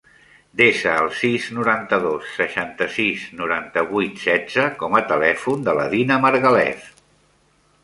Desa el sis, noranta-dos, seixanta-sis, noranta-vuit, setze com a telèfon de la Dina Margalef.